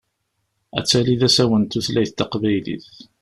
Ad tali d asawen tutlayt taqbaylit.